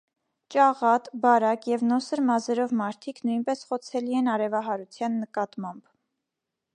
Ճաղատ, բարակ և նոսր մազերով մարդիկ նույնպես խոցելի են արևահարության նկատմամբ։